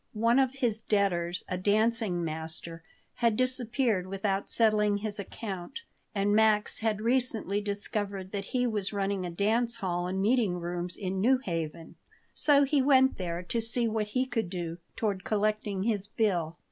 One of his debtors, a dancing master, had disappeared without settling his account and Max had recently discovered that he was running a dance hall and meeting rooms in New Haven; so he went there to see what he could do toward collecting his bill.